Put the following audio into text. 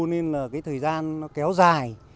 nên là thời gian kéo dài